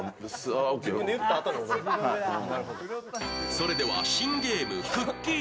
それでは新ゲームくっきー！